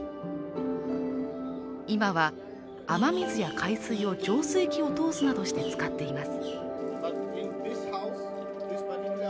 今は雨水や海水を浄水器を通すなどして使っています。